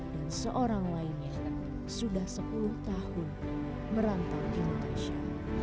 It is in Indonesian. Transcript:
dan seorang lainnya sudah sepuluh tahun merantau di indonesia